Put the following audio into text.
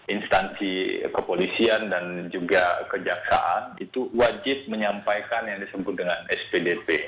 instansi kepolisian dan juga kejaksaan itu wajib menyampaikan yang disebut dengan spdp